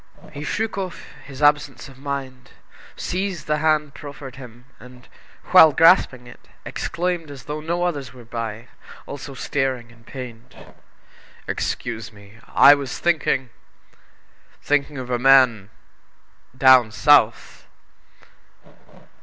He shook off his absence of mind, seized the hand proffered him, and, while grasping it, exclaimed as though no others were by, also staring and pained: "Excuse me! I was thinking thinking of a man down South!"